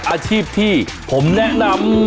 อาชีพที่ผมแนะนำ